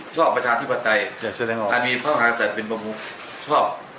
ชอบบัตรธิปตัยอันนี้พ่อหารศัลดิ์เป็นปำหุภชอบ